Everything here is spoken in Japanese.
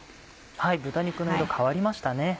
豚肉の色変わりましたね。